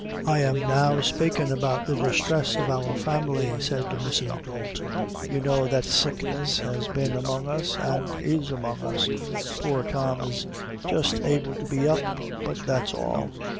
"I am now spakin' about the distress of our family," said Mrs. Dalton, "you know that sickness has been among us, and is among us poor Tom is just able to be up, but that's all."